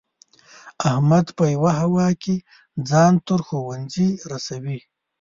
احمد په یوه هوا کې ځان تر ښوونځي رسوي.